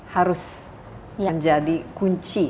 harus menjadi kunci